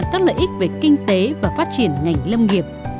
các lợi ích về kinh tế và phát triển ngành lâm nghiệp